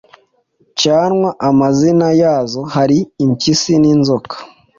cyanwa amazina yazo .Hari impyisi n’inzoka.